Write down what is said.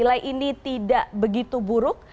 nilai ini tidak begitu buruk